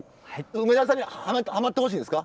梅沢さんにハマってほしいんですか？